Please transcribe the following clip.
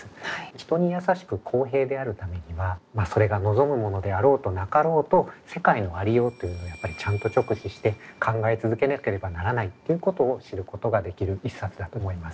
人にやさしく公平であるためにはそれが望むものであろうとなかろうと世界のありようというのをやっぱりちゃんと直視して考え続けなければならないということを知ることができる一冊だと思います。